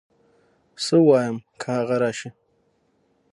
څه ووايم که هغه راشي